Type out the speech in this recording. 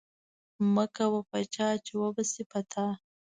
مه کوه په چا چې وبه شي پر تا